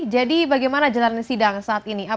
jadi bagaimana jalanan sidang saat ini